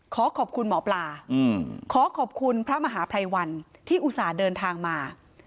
ขอขอบคุณหมอปลาขอขอบคุณพระมหาภัยวันที่อุตส่าห์เดินทางมา